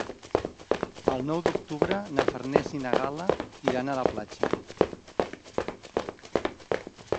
El nou d'octubre na Farners i na Gal·la iran a la platja.